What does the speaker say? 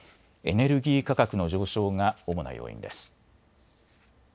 エネルギー価格の上昇が主な要因です。